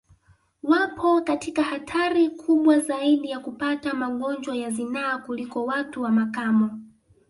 Wapo katika hatari kubwa zaidi ya kupata magonjwa ya zinaa kuliko watu wa makamo